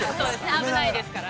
◆危ないですからね。